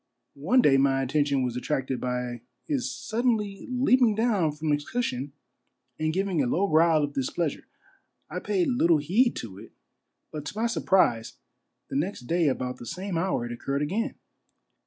One day my attention was attracted by his suddenly leaping down from his cushion and giwng a low growl of displeasure. I paid little heed to it, but to my surprise the next day about the same hour it occurred again.